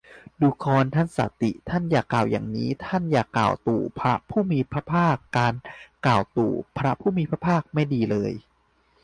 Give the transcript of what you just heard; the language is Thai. ดูกรท่านสาติ ท่านอย่ากล่าวอย่างนี้ ท่านอย่ากล่าวตู่พระผู้มีพระภาค การกล่าวตู่พระผู้มีพระภาค ไม่ดีเลย